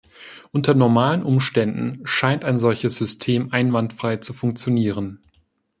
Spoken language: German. Unter normalen Umständen scheint ein solches System einwandfrei zu funktionieren.